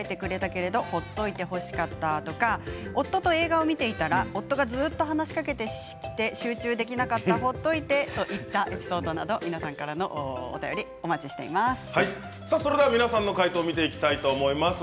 けれどほっといてほしかったとか夫と映画を見ていたら夫がずっと話しかけてきて集中できなかったほっといてといったエピソードなど皆さんからの皆さんの解答を見ていきたいと思います。